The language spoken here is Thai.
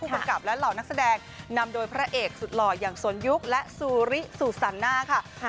กำกับและเหล่านักแสดงนำโดยพระเอกสุดหล่ออย่างสนยุคและซูริซูซันน่าค่ะ